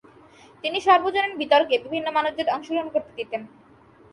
তিনি সার্বজনীন বিতর্কে বিভিন্ন মানুষদের অংশগ্রহণ করতে দিতেন।